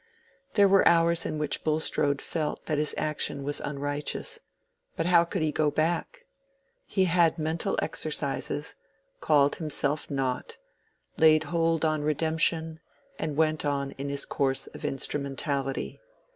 There were hours in which Bulstrode felt that his action was unrighteous; but how could he go back? He had mental exercises, called himself nought, laid hold on redemption, and went on in his course of instrumentality.